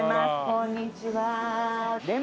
こんにちは。